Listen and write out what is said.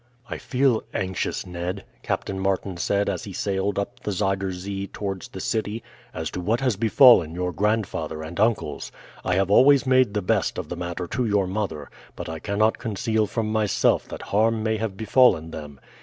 "I feel anxious, Ned," Captain Martin said as he sailed up the Zuider Zee towards the city, "as to what has befallen your grandfather and uncles. I have always made the best of the matter to your mother, but I cannot conceal from myself that harm may have befallen them.